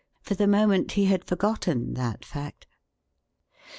For the moment he had forgotten that fact.